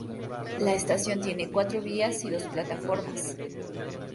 La estación tiene cuatro vías y dos plataformas.